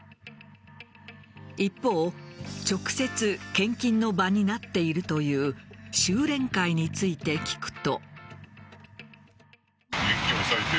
一方直接献金の場になっているという修錬会について聞くと。